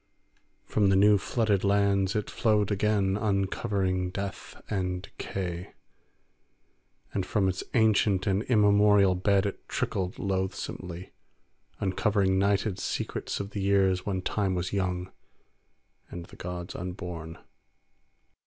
From the new flooded lands it flowed again, uncovering death and decay; and from its ancient and immemorial bed it trickled loathsomely, uncovering nighted secrets of the years when Time was young and the gods unborn.